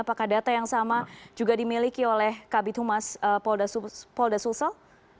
apakah data yang sama juga dimiliki oleh kabit humas polda sulsel